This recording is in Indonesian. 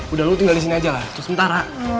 udah lo tinggal disini aja lah terus sementara